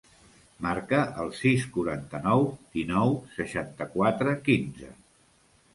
Marca el sis, quaranta-nou, dinou, seixanta-quatre, quinze.